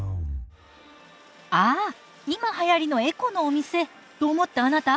ああ今はやりのエコのお店と思ったあなた。